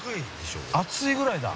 暑いぐらいだ。